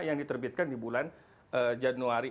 yang diterbitkan di bulan januari